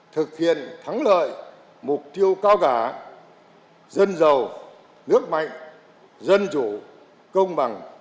thực hiện thắng lợi mục tiêu cao cả dân giàu nước mạnh dân chủ công bằng